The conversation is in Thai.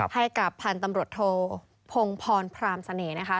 ให้กับพันธุ์ตำรวจโทพงพรพรามเสน่ห์นะคะ